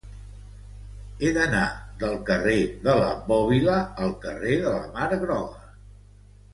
He d'anar del carrer de la Bòbila al carrer de la Mar Groga.